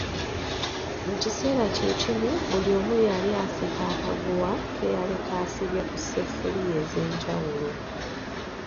Mu kiseera kye kimu buli omu yali asika akaguwa ke yaleka asibye ku sseffuliya ez'enjawulo.